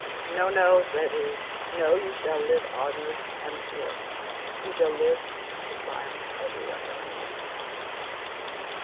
"No, no," said he. "No, you shall live honored and pure; you shall live to triumph over your enemies."